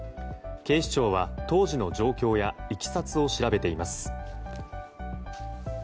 警視庁は当時の状況やいきさつを調べています。